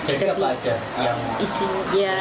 jadi apa saja isinya